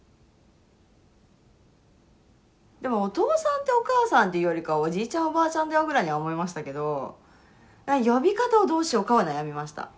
でもお父さんとお母さんっていうよりかはおじいちゃんおばあちゃんだよぐらいには思いましたけど呼び方をどうしようかは悩みました。